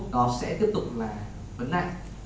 nó sẽ tiếp tục là vấn đại